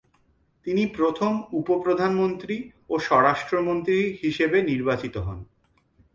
তিনি প্রথম উপ- প্রধানমন্ত্রী ও স্বরাষ্ট্রমন্ত্রী হিসেবে নির্বাচিত হন।